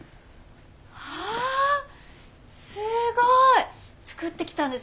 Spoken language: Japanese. あすごい！作ってきたんですか？